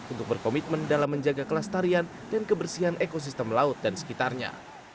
untuk berkomitmen dalam menjaga kelestarian dan kebersihan ekosistem laut dan sekitarnya